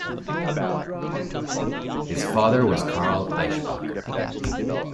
His father was Carl Aeschbacher.